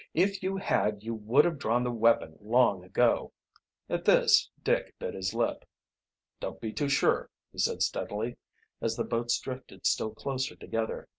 If you had you would have drawn the weapon long ago." At this Dick bit his lip. "Don't be too sure," he said steadily, as the boats drifted still closer together.